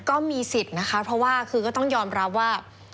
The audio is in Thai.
ก็มีสิทธิ์นะคะเพราะว่าคือก็ต้องยอมรับว่า